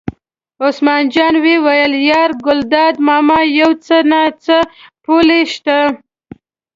عثمان جان وویل: یار ګلداد ماما یو څه نه څه پولې شته.